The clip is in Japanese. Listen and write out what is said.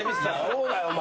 そうだよお前。